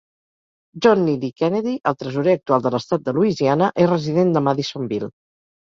John Neely Kennedy, el tresorer actual de l'estat de Louisiana, és resident de Madisonville.